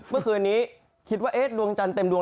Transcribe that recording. เมื่อคืนนี้คิดว่าเอ๊นดวงจรรย์เต็มดวง